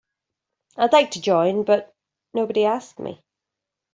I'd like to join but nobody asked me.